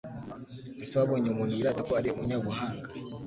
Ese wabonye umuntu wirata ko ari umunyabuhanga